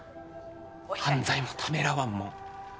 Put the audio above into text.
犯罪もためらわんもん